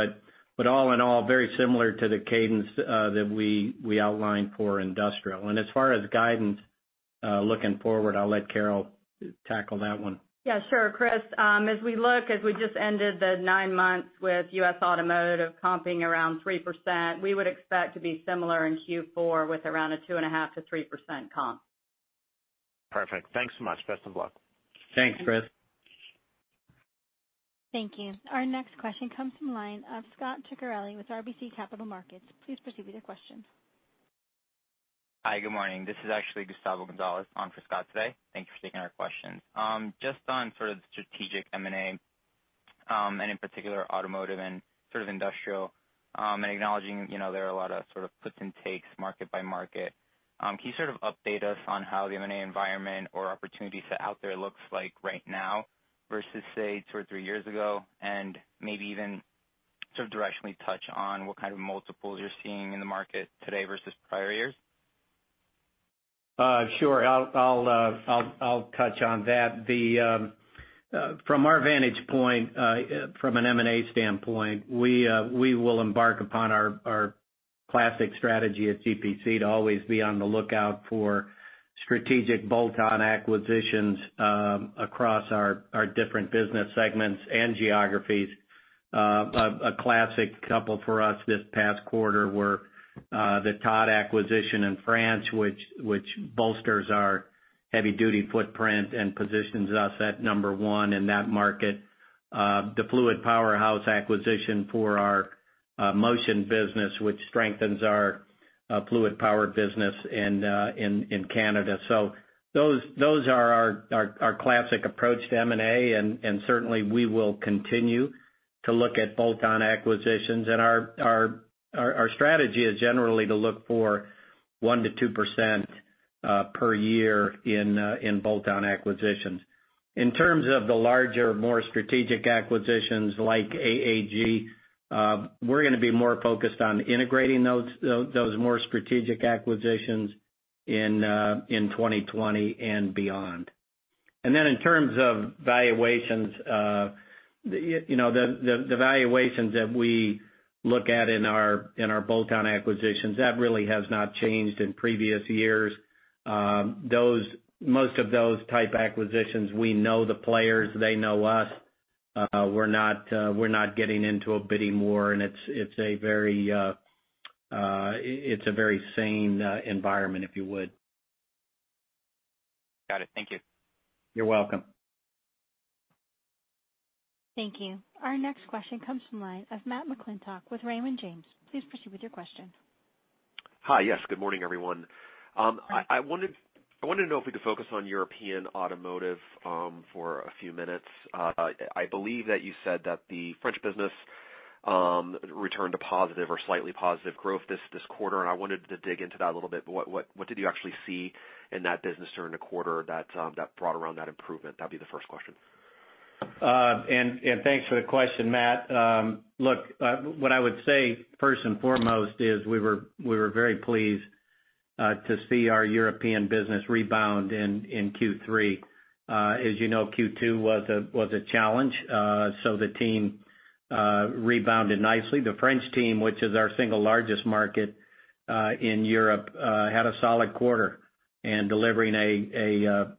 All in all, very similar to the cadence that we outlined for industrial. As far as guidance, looking forward, I'll let Carol tackle that one. Yeah, sure, Chris. As we just ended the nine months with U.S. Automotive comping around 3%, we would expect to be similar in Q4 with around a 2.5% to 3% comp. Perfect. Thanks so much. Best of luck. Thanks, Chris. Thank you. Our next question comes from the line of Scot Ciccarelli with RBC Capital Markets. Please proceed with your question. Hi. Good morning. This is actually Gustavo Gonzalez on for Scot today. Thanks for taking our questions. Just on sort of the strategic M&A, in particular automotive and sort of industrial, acknowledging there are a lot of sort of puts and takes market by market. Can you sort of update us on how the M&A environment or opportunity set out there looks like right now versus, say, two or three years ago? Maybe even sort of directionally touch on what kind of multiples you're seeing in the market today versus prior years? Sure. I'll touch on that. From our vantage point, from an M&A standpoint, we will embark upon our classic strategy at GPC to always be on the lookout for strategic bolt-on acquisitions across our different business segments and geographies. A classic couple for us this past quarter were the Todd acquisition in France, which bolsters our heavy duty footprint and positions us at number 1 in that market. The Fluid Powerhouse acquisition for our Motion business, which strengthens our fluid power business in Canada. Those are our classic approach to M&A, and certainly we will continue to look at bolt-on acquisitions. Our strategy is generally to look for 1%-2% per year in bolt-on acquisitions. In terms of the larger, more strategic acquisitions like AAG, we're going to be more focused on integrating those more strategic acquisitions in 2020 and beyond. In terms of valuations, the valuations that we look at in our bolt-on acquisitions, that really has not changed in previous years. Most of those type acquisitions, we know the players, they know us. We're not getting into a bidding war, and it's a very sane environment, if you would. Got it. Thank you. You're welcome. Thank you. Our next question comes from the line of Matt McClintock with Raymond James. Please proceed with your question. Hi. Yes, good morning, everyone. I wanted to know if we could focus on European automotive for a few minutes. I believe that you said that the French business returned to positive or slightly positive growth this quarter, and I wanted to dig into that a little bit. What did you actually see in that business during the quarter that brought around that improvement? That'd be the first question. Thanks for the question, Matt. Look, what I would say first and foremost is we were very pleased to see our European business rebound in Q3. As you know, Q2 was a challenge. The team rebounded nicely. The French team, which is our single largest market in Europe, had a solid quarter in delivering a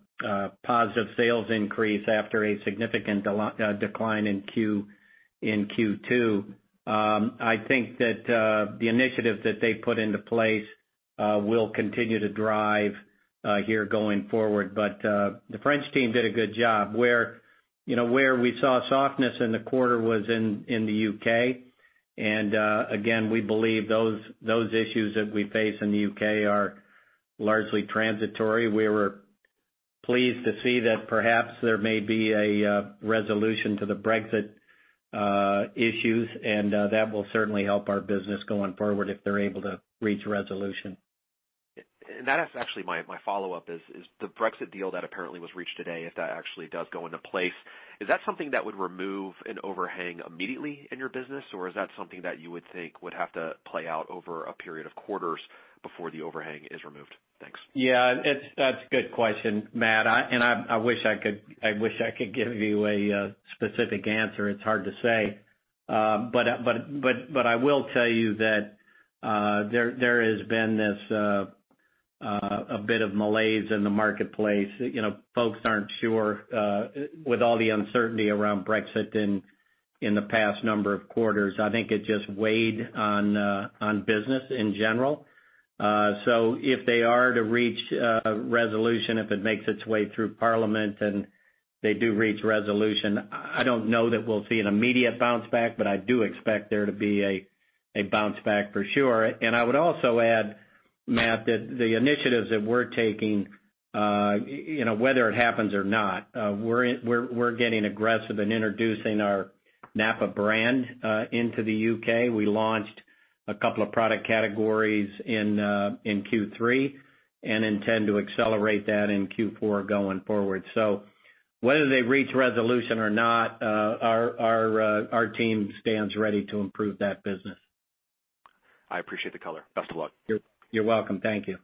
positive sales increase after a significant decline in Q2. I think that the initiatives that they put into place will continue to drive here going forward. The French team did a good job. Where we saw softness in the quarter was in the U.K. Again, we believe those issues that we face in the U.K. are largely transitory. We were pleased to see that perhaps there may be a resolution to the Brexit issues, and that will certainly help our business going forward if they're able to reach a resolution. That is actually my follow-up is the Brexit deal that apparently was reached today, if that actually does go into place, is that something that would remove an overhang immediately in your business, or is that something that you would think would have to play out over a period of quarters before the overhang is removed? Thanks. Yeah, that's a good question, Matt. I wish I could give you a specific answer. It's hard to say. I will tell you that there has been this a bit of malaise in the marketplace. Folks aren't sure with all the uncertainty around Brexit and in the past number of quarters. I think it just weighed on business in general. If they are to reach a resolution, if it makes its way through Parliament and they do reach resolution, I don't know that we'll see an immediate bounce back, but I do expect there to be a bounce back for sure. I would also add, Matt, that the initiatives that we're taking, whether it happens or not, we're getting aggressive in introducing our NAPA brand into the U.K. We launched a couple of product categories in Q3, and intend to accelerate that in Q4 going forward. Whether they reach resolution or not, our team stands ready to improve that business. I appreciate the color. Best of luck. You're welcome. Thank you.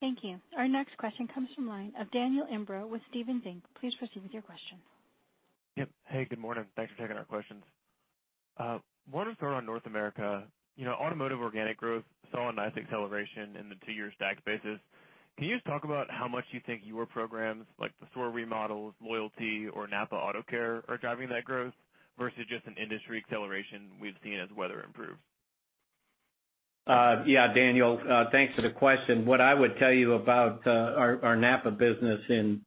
Thank you. Our next question comes from line of Daniel Imbro with Stephens Inc. Please proceed with your question. Yep. Hey, good morning. Thanks for taking our questions. Wanted to start on North America. Automotive organic growth saw a nice acceleration in the two-year stack basis. Can you just talk about how much you think your programs, like the store remodels, loyalty, or NAPA AutoCare are driving that growth versus just an industry acceleration we've seen as weather improved? Yeah, Daniel, thanks for the question. What I would tell you about our NAPA business in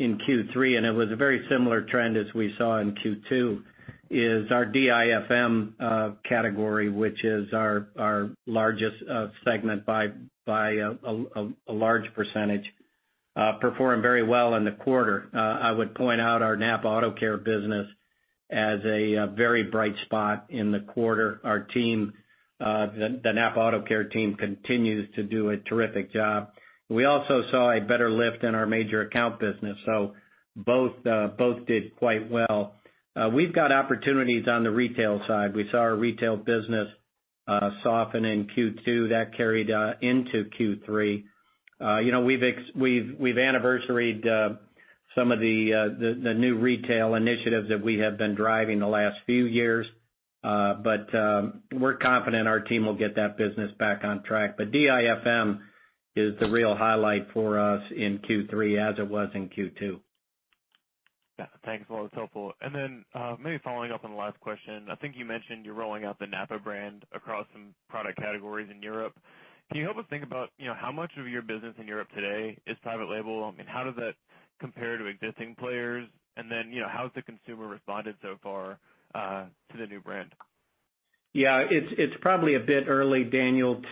Q3, and it was a very similar trend as we saw in Q2, is our DIFM category, which is our largest segment by a large %, performed very well in the quarter. I would point out our NAPA AutoCare business as a very bright spot in the quarter. The NAPA AutoCare team continues to do a terrific job. We also saw a better lift in our major account business, so both did quite well. We've got opportunities on the retail side. We saw our retail business soften in Q2. That carried into Q3. We've anniversaried some of the new retail initiatives that we have been driving the last few years. We're confident our team will get that business back on track. DIFM is the real highlight for us in Q3, as it was in Q2. Yeah. Thanks, Paul. That's helpful. Maybe following up on the last question, I think you mentioned you're rolling out the NAPA brand across some product categories in Europe. Can you help us think about how much of your business in Europe today is private label? How does that compare to existing players? How has the consumer responded so far to the new brand? Yeah. It's probably a bit early, Daniel,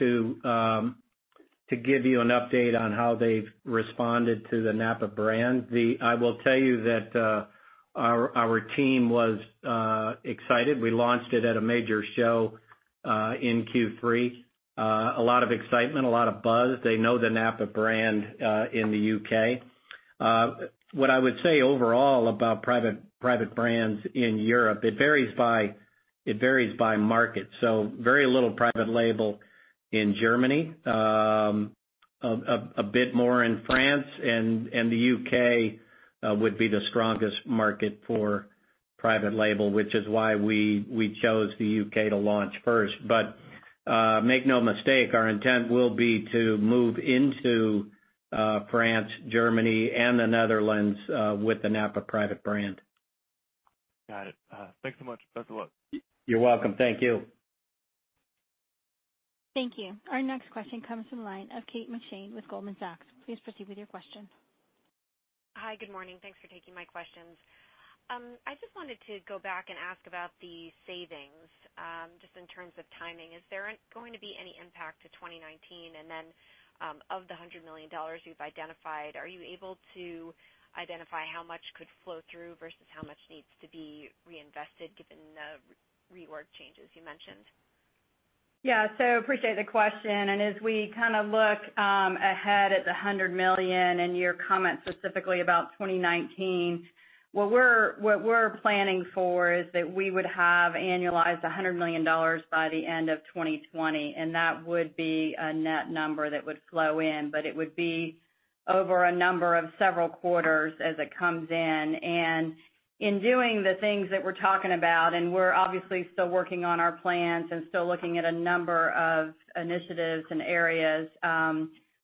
to give you an update on how they've responded to the NAPA brand. I will tell you that our team was excited. We launched it at a major show in Q3. A lot of excitement, a lot of buzz. They know the NAPA brand in the U.K. What I would say overall about private brands in Europe, it varies by market. Very little private label in Germany. A bit more in France, and the U.K. would be the strongest market for private label, which is why we chose the U.K. to launch first. Make no mistake, our intent will be to move into France, Germany, and the Netherlands with the NAPA private brand. Got it. Thanks so much. Best of luck. You're welcome. Thank you. Thank you. Our next question comes from the line of Kate McShane with Goldman Sachs. Please proceed with your question. Hi. Good morning. Thanks for taking my questions. I just wanted to go back and ask about the savings, just in terms of timing. Is there going to be any impact to 2019? Of the $100 million you've identified, are you able to identify how much could flow through versus how much needs to be reinvested given the reorg changes you mentioned? Yeah. Appreciate the question, as we kind of look ahead at the $100 million and your comment specifically about 2019, what we're planning for is that we would have annualized $100 million by the end of 2020, and that would be a net number that would flow in. It would be over a number of several quarters as it comes in. In doing the things that we're talking about, and we're obviously still working on our plans and still looking at a number of initiatives and areas,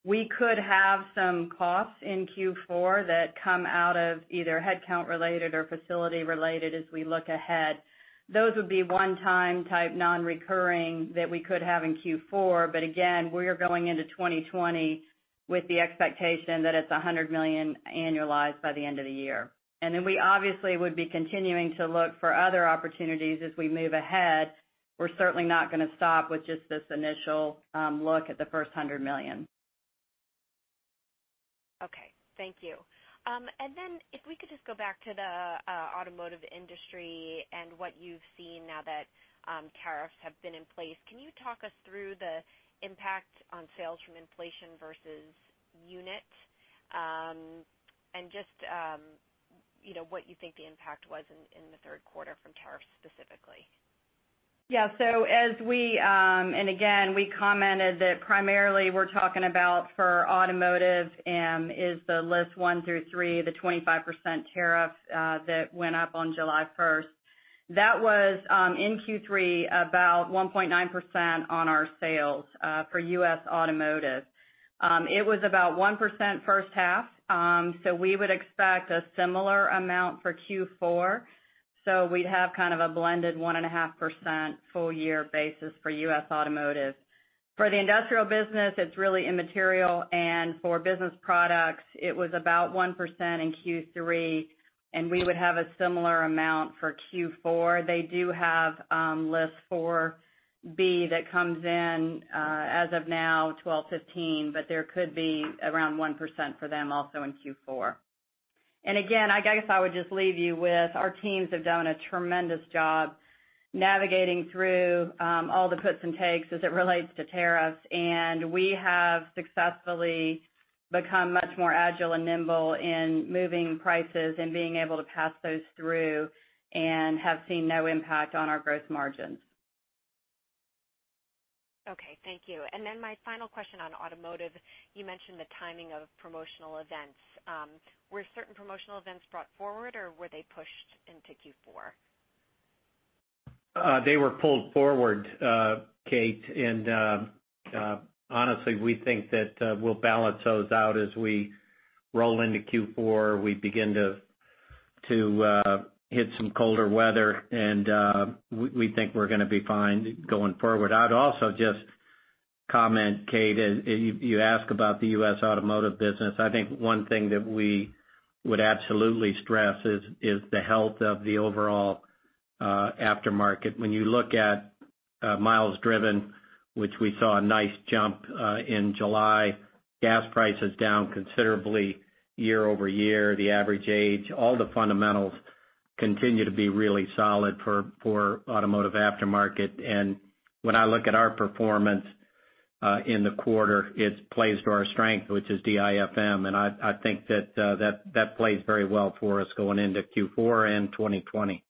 we could have some costs in Q4 that come out of either headcount related or facility related as we look ahead. Those would be one-time type non-recurring that we could have in Q4. Again, we are going into 2020 with the expectation that it's $100 million annualized by the end of the year. We obviously would be continuing to look for other opportunities as we move ahead. We're certainly not going to stop with just this initial look at the first $100 million. Okay. Thank you. If we could just go back to the automotive industry and what you've seen now that tariffs have been in place. Can you talk us through the impact on sales from inflation versus unit? What you think the impact was in the third quarter from tariffs specifically. Again, we commented that primarily we're talking about for Automotive is the List 1 through 3, the 25% tariff that went up on July 1st. That was, in Q3, about 1.9% on our sales for U.S. Automotive. It was about 1% first half. We would expect a similar amount for Q4. We'd have a blended 1.5% full year basis for U.S. Automotive. For the industrial business, it's really immaterial. For Business Products, it was about 1% in Q3. We would have a similar amount for Q4. They do have List 4B that comes in, as of now, 12/15. There could be around 1% for them also in Q4. Again, I guess I would just leave you with our teams have done a tremendous job navigating through all the puts and takes as it relates to tariffs, and we have successfully become much more agile and nimble in moving prices and being able to pass those through and have seen no impact on our gross margins. Okay, thank you. Then my final question on automotive, you mentioned the timing of promotional events. Were certain promotional events brought forward, or were they pushed into Q4? They were pulled forward, Kate. Honestly, we think that we'll balance those out as we roll into Q4, we begin to hit some colder weather. We think we're gonna be fine going forward. I'd also just comment, Kate, you ask about the U.S. automotive business. I think one thing that we would absolutely stress is the health of the overall aftermarket. When you look at miles driven, which we saw a nice jump in July, gas prices down considerably year-over-year, the average age, all the fundamentals continue to be really solid for automotive aftermarket. When I look at our performance in the quarter, it plays to our strength, which is DIFM, and I think that plays very well for us going into Q4 and 2020.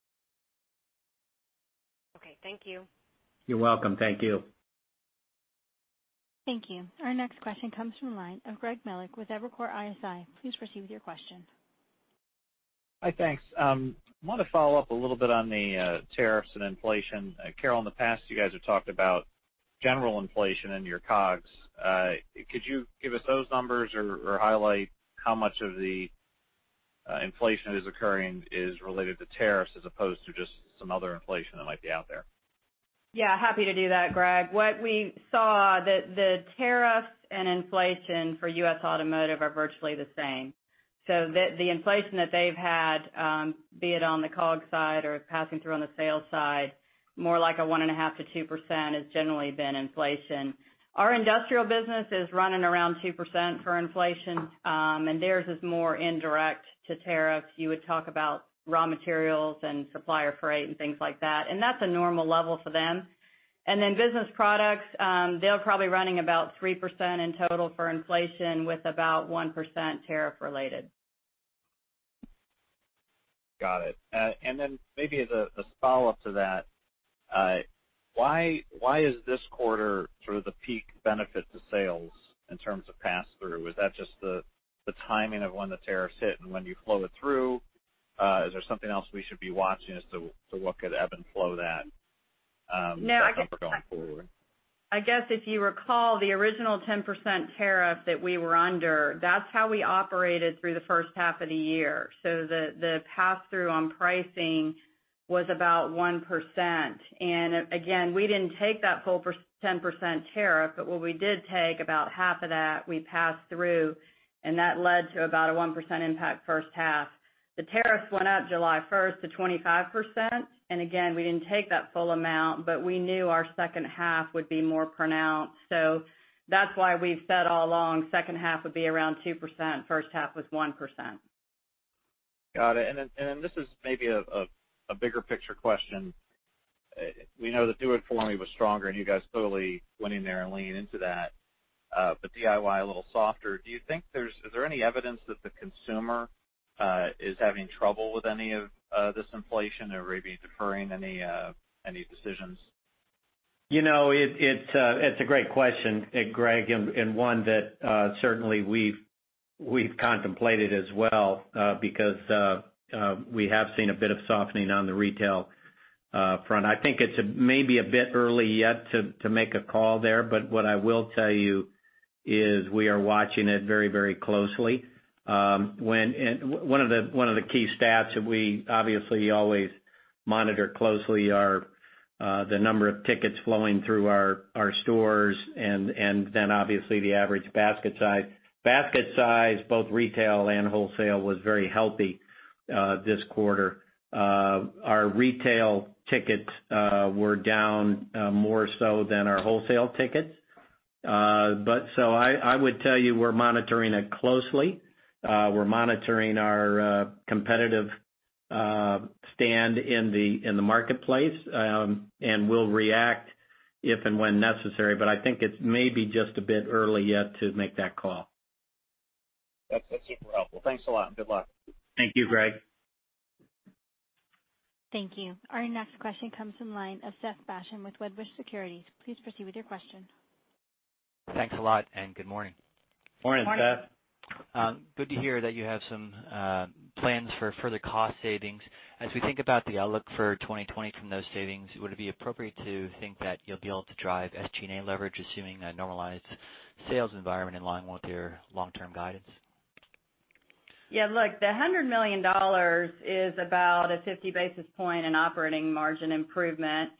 Okay, thank you. You're welcome. Thank you. Thank you. Our next question comes from the line of Greg Melich with Evercore ISI. Please proceed with your question. Hi, thanks. I want to follow up a little bit on the tariffs and inflation. Carol, in the past, you guys have talked about general inflation in your COGS. Could you give us those numbers or highlight how much of the inflation that is occurring is related to tariffs as opposed to just some other inflation that might be out there? Yeah, happy to do that, Greg. What we saw, the tariff and inflation for U.S. Automotive are virtually the same. The inflation that they've had, be it on the COGS side or passing through on the sales side, more like a 1.5%-2% has generally been inflation. Our industrial business is running around 2% for inflation, and theirs is more indirect to tariffs. You would talk about raw materials and supplier freight and things like that. That's a normal level for them. Business products, they're probably running about 3% in total for inflation with about 1% tariff related. Got it. Maybe as a follow-up to that, why is this quarter sort of the peak benefit to sales in terms of pass-through? Is that just the timing of when the tariffs hit and when you flow it through? Is there something else we should be watching as to what could ebb and flow? No. going forward? I guess if you recall the original 10% tariff that we were under, that's how we operated through the first half of the year. The pass-through on pricing was about 1%. Again, we didn't take that full 10% tariff, but what we did take, about half of that we passed through, and that led to about a 1% impact first half. The tariffs went up July 1st to 25%, and again, we didn't take that full amount, but we knew our second half would be more pronounced. That's why we've said all along, second half would be around 2%, first half was 1%. Got it. This is maybe a bigger picture question. We know the do-it-for-me was stronger, and you guys totally went in there and leaned into that. DIY, a little softer. Is there any evidence that the consumer is having trouble with any of this inflation or maybe deferring any decisions? It's a great question, Greg, and one that certainly we've contemplated as well, because we have seen a bit of softening on the retail front. I think it's maybe a bit early yet to make a call there. What I will tell you is we are watching it very closely. One of the key stats that we obviously always monitor closely are the number of tickets flowing through our stores and then obviously the average basket size. Basket size, both retail and wholesale, was very healthy this quarter. Our retail tickets were down more so than our wholesale tickets. I would tell you we're monitoring it closely. We're monitoring our competitive stand in the marketplace, and we'll react if and when necessary, but I think it's maybe just a bit early yet to make that call. That's super helpful. Thanks a lot, and good luck. Thank you, Greg. Thank you. Our next question comes from line of Seth Basham with Wedbush Securities. Please proceed with your question. Thanks a lot. Good morning. Morning, Seth. Good to hear that you have some plans for further cost savings. As we think about the outlook for 2020 from those savings, would it be appropriate to think that you'll be able to drive SG&A leverage, assuming a normalized sales environment in line with your long-term guidance? Look, the $100 million is about a 50 basis points in operating margin improvement.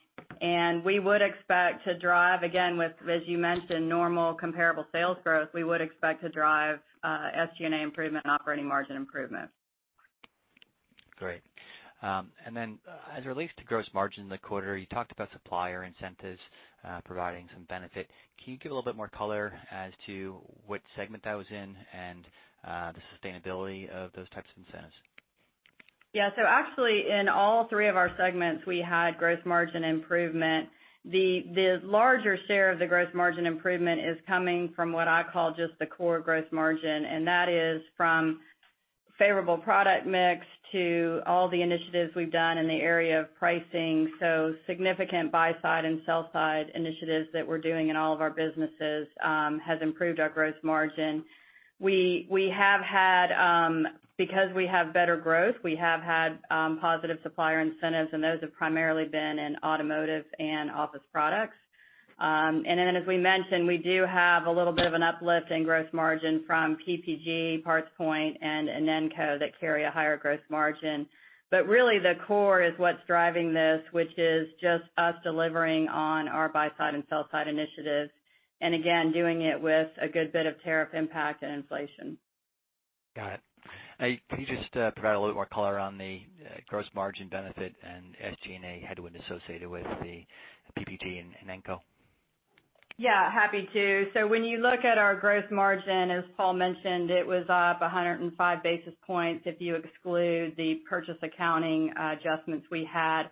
We would expect to drive, again, with, as you mentioned, normal comparable sales growth, we would expect to drive SG&A improvement and operating margin improvement. Great. Then as it relates to gross margin in the quarter, you talked about supplier incentives providing some benefit. Can you give a little bit more color as to what segment that was in and the sustainability of those types of incentives? Yeah. Actually, in all three of our segments, we had gross margin improvement. The larger share of the gross margin improvement is coming from what I call just the core gross margin, and that is from favorable product mix to all the initiatives we've done in the area of pricing. Significant buy-side and sell-side initiatives that we're doing in all of our businesses has improved our gross margin. Because we have better growth, we have had positive supplier incentives, and those have primarily been in automotive and office products. Then as we mentioned, we do have a little bit of an uplift in gross margin from BPG, PartsPoint, and Inenco that carry a higher gross margin. Really, the core is what's driving this, which is just us delivering on our buy-side and sell-side initiatives, and again, doing it with a good bit of tariff impact and inflation. Got it. Can you just provide a little bit more color on the gross margin benefit and SG&A headwind associated with the BPG and Inenco? Yeah, happy to. When you look at our gross margin, as Paul mentioned, it was up 105 basis points if you exclude the purchase accounting adjustments we had.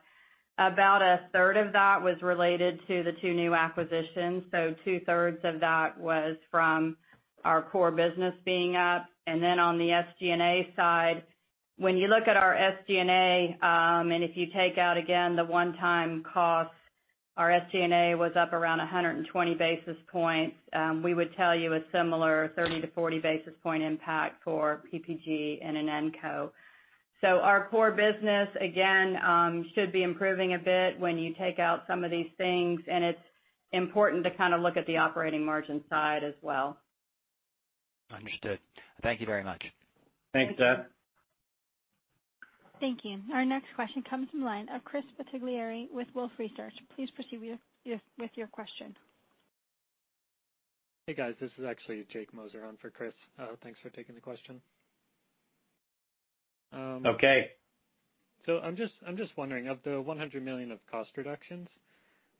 About a third of that was related to the two new acquisitions, so two-thirds of that was from our core business being up. On the SG&A side, when you look at our SG&A, and if you take out again the one-time cost, our SG&A was up around 120 basis points. We would tell you a similar 30 to 40 basis point impact for BPG and Inenco. Our core business, again, should be improving a bit when you take out some of these things, and it's important to kind of look at the operating margin side as well. Understood. Thank you very much. Thanks, Seth. Thank you. Our next question comes from the line of Chris Bottiglieri with Wolfe Research. Please proceed with your question. Hey, guys. This is actually Jake Moser on for Chris. Thanks for taking the question. Okay. I'm just wondering, of the $100 million of cost reductions,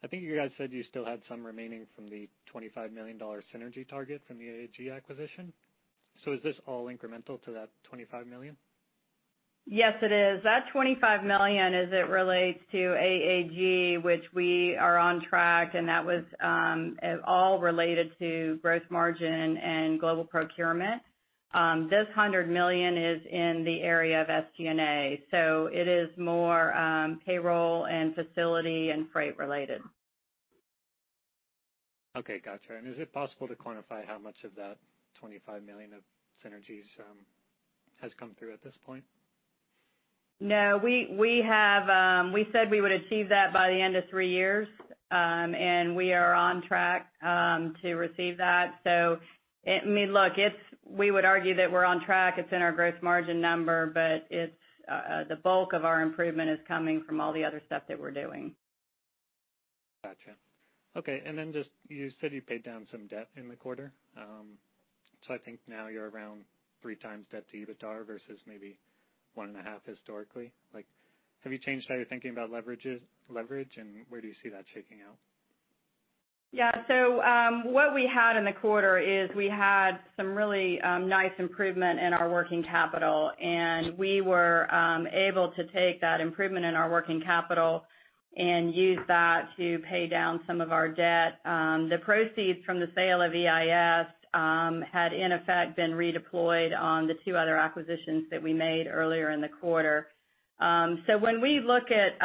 I think you guys said you still had some remaining from the $25 million synergy target from the AAG acquisition. Is this all incremental to that $25 million? Yes, it is. That $25 million as it relates to AAG, which we are on track, and that was all related to gross margin and global procurement. This $100 million is in the area of SG&A, so it is more payroll and facility and freight related. Okay, gotcha. Is it possible to quantify how much of that $25 million of synergies has come through at this point? No. We said we would achieve that by the end of three years, and we are on track to receive that. Look, we would argue that we're on track. It's in our gross margin number, the bulk of our improvement is coming from all the other stuff that we're doing. Gotcha. Okay. Just, you said you paid down some debt in the quarter. I think now you're around 3x debt to EBITDA versus maybe 1.5x historically. Have you changed how you're thinking about leverage, and where do you see that shaking out? Yeah. What we had in the quarter is we had some really nice improvement in our working capital, and we were able to take that improvement in our working capital and use that to pay down some of our debt. The proceeds from the sale of EIS had in effect been redeployed on the two other acquisitions that we made earlier in the quarter. When we look at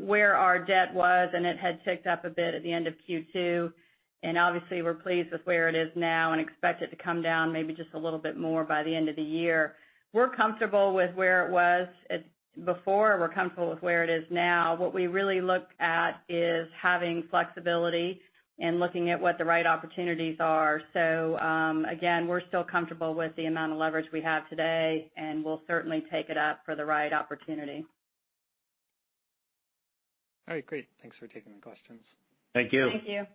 where our debt was, and it had ticked up a bit at the end of Q2, and obviously we're pleased with where it is now and expect it to come down maybe just a little bit more by the end of the year. We're comfortable with where it was before. We're comfortable with where it is now. What we really look at is having flexibility and looking at what the right opportunities are. Again, we're still comfortable with the amount of leverage we have today, and we'll certainly take it up for the right opportunity. All right, great. Thanks for taking the questions. Thank you. Thank you.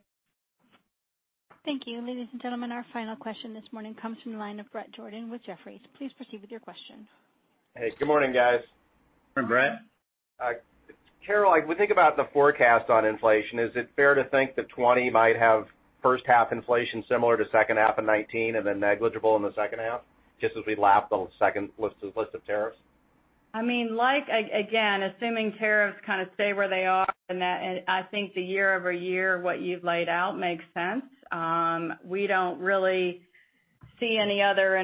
Thank you. Ladies and gentlemen, our final question this morning comes from the line of Bret Jordan with Jefferies. Please proceed with your question. Hey, good morning, guys. Morning, Bret. Carol, we think about the forecast on inflation, is it fair to think that 2020 might have first half inflation similar to second half of 2019 and then negligible in the second half, just as we lap the second list of tariffs? Again, assuming tariffs kind of stay where they are, I think the year-over-year, what you've laid out makes sense. We don't really see any other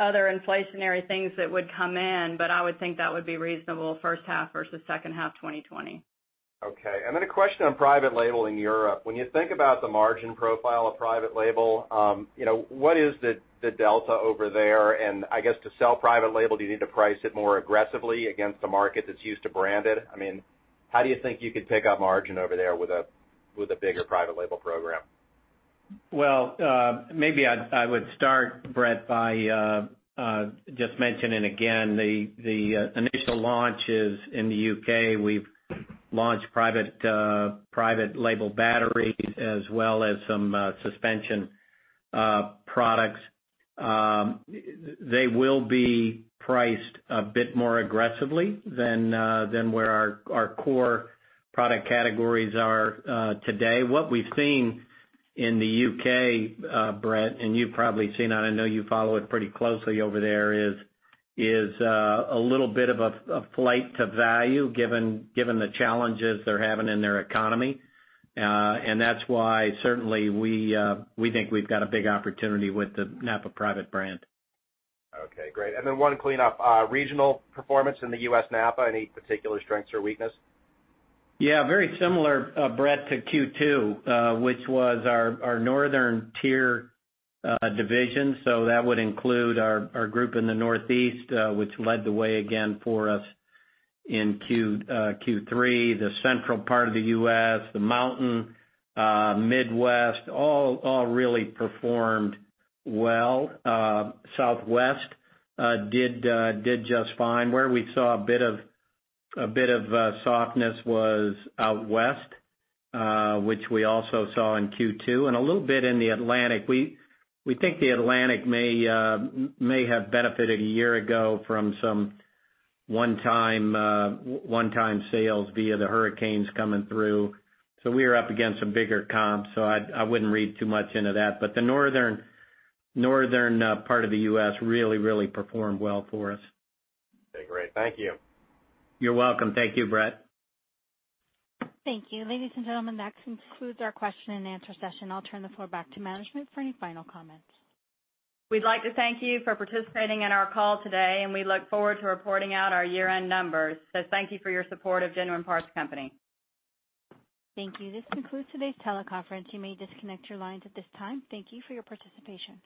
inflationary things that would come in, I would think that would be reasonable first half versus second half 2020. Okay. A question on private label in Europe. When you think about the margin profile of private label, what is the delta over there? I guess to sell private label, do you need to price it more aggressively against a market that's used to branded? How do you think you could pick up margin over there with a bigger private label program? Well, maybe I would start, Bret, by just mentioning again the initial launches in the U.K. We've launched private label batteries as well as some suspension products. They will be priced a bit more aggressively than where our core product categories are today. What we've seen in the U.K., Bret, and you've probably seen, and I know you follow it pretty closely over there, is a little bit of a flight to value given the challenges they're having in their economy. That's why certainly we think we've got a big opportunity with the NAPA private brand. Okay, great. One cleanup, regional performance in the U.S. NAPA, any particular strengths or weakness? Very similar, Bret, to Q2, which was our northern tier division. That would include our group in the Northeast, which led the way again for us in Q3. The central part of the U.S., the mountain, Midwest, all really performed well. Southwest did just fine. Where we saw a bit of softness was out West, which we also saw in Q2 and a little bit in the Atlantic. We think the Atlantic may have benefited a year ago from some one-time sales via the hurricanes coming through. We are up against some bigger comps, so I wouldn't read too much into that. The northern part of the U.S. really, really performed well for us. Okay, great. Thank you. You're welcome. Thank you, Bret. Thank you. Ladies and gentlemen, that concludes our question and answer session. I'll turn the floor back to management for any final comments. We'd like to thank you for participating in our call today, and we look forward to reporting out our year-end numbers. Thank you for your support of Genuine Parts Company. Thank you. This concludes today's teleconference. You may disconnect your lines at this time. Thank you for your participation.